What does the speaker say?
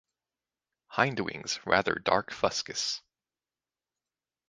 Hindwings rather dark fuscous.